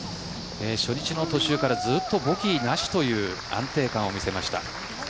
初日の途中からずっとボギーなしという安定感を見せました。